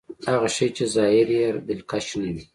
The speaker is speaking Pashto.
هغه شی چې ظاهر يې دلکش نه وي.